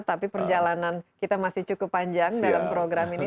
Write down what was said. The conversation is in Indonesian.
tapi perjalanan kita masih cukup panjang dalam program ini